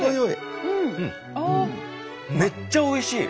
めっちゃおいしい！